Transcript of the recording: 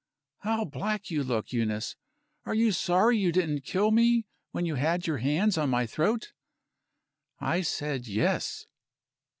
"How black you look, Eunice! Are you sorry you didn't kill me, when you had your hands on my throat?" I said: "Yes."